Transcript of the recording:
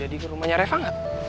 jadi ke rumahnya reva gak